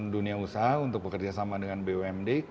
dunia usaha untuk bekerja sama dengan bumd